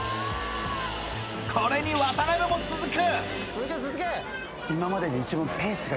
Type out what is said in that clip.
これに渡辺も続く！